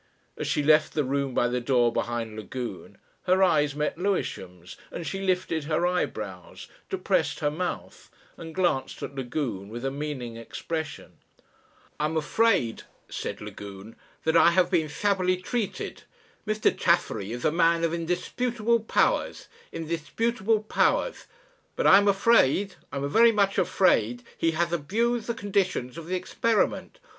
As she left the room by the door behind Lagune her eyes met Lewisham's, and she lifted her eyebrows, depressed her mouth, and glanced at Lagune with a meaning expression. "I'm afraid," said Lagune, "that I have been shabbily treated. Mr. Chaffery is a man of indisputable powers indisputable powers; but I am afraid I am very much afraid he has abused the conditions of the experiment.